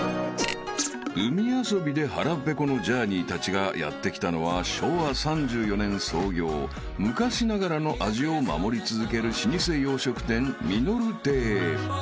［海遊びで腹ぺこのジャーニーたちがやって来たのは昭和３４年創業昔ながらの味を守り続ける］